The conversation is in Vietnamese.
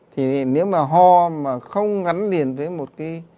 thì nếu mà ho mà không gắn liền với một cái